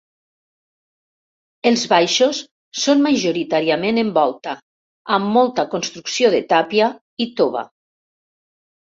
Els baixos són majoritàriament en volta, amb molta construcció de tàpia i tova.